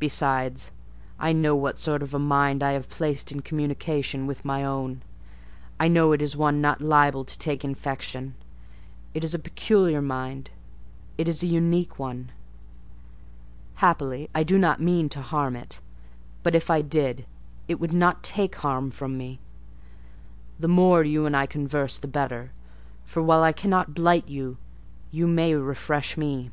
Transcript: Besides, I know what sort of a mind I have placed in communication with my own: I know it is one not liable to take infection: it is a peculiar mind: it is a unique one. Happily I do not mean to harm it: but, if I did, it would not take harm from me. The more you and I converse, the better; for while I cannot blight you, you may refresh me."